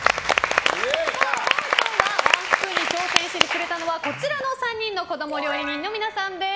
今回ワンスプーンに挑戦してくれたのはこちらの３人の子供料理人の皆さんです。